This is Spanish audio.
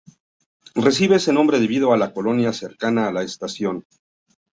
Recibe ese nombre debido a la colonia cercana a la estación.